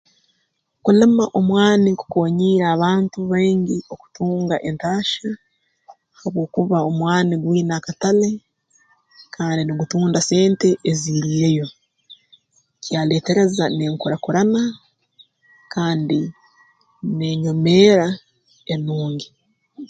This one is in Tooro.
Kulima omwani kukoonyiire abantu baingi okutunga entaahya habwokuba omwani gwine akatale kandi nigutunda sente eziiriireyo kyaleetereza n'enkurakurana kandi n'enyomeera enungi